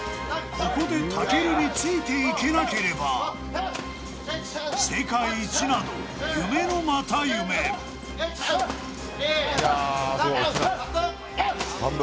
ここで武尊についていけなければ世界一など夢のまた夢・１２３半分！